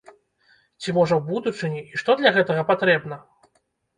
Ці можа ў будучыні, і што для гэтага патрэбна?